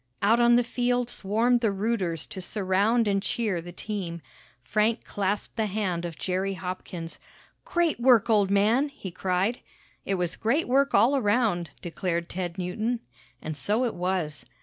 Out on the field swarmed the rooters to surround and cheer the team. Frank clasped the hand of Jerry Hopkins. "Great work, old man!" he cried. "It was great work all around!" declared Ted Newton. And so it was.